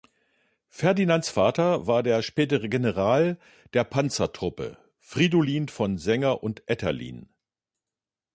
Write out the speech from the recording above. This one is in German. Ferdinands Vater war der spätere General der Panzertruppe Fridolin von Senger und Etterlin.